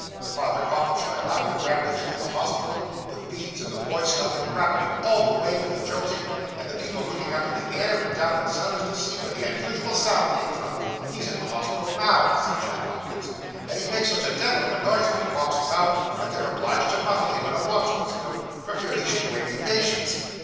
The father caught the child up, and ran with him to the hospital; the beads in the boy's stomach rattling all the way with the jolting; and the people looking up in the air, and down in the cellars, to see where the unusual sound came from. He's in the hospital now,' said Jack Hopkins, 'and he makes such a devil of a noise when he walks about, that they're obliged to muffle him in a watchman's coat, for fear he should wake the patients.